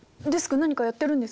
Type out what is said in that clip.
何かやってるんですか？